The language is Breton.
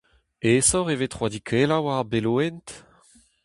Aesoc'h e vez troadikellañ war ar belohent ?